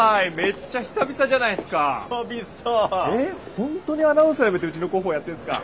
本当にアナウンサー辞めてうちの広報やってんすか。